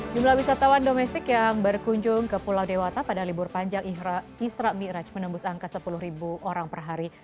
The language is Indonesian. jumlah wisatawan domestik yang berkunjung ke pulau dewata pada libur panjang isra ⁇ miraj ⁇ menembus angka sepuluh orang per hari